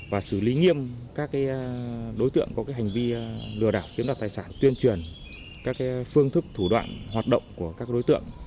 và xử lý nghiêm các đối tượng có hành vi lừa đảo chiếm đoạt tài sản tuyên truyền các phương thức thủ đoạn hoạt động của các đối tượng